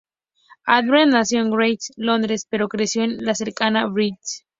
Aldred nació en Greenwich, Londres, pero creció en la cercana Blackheath.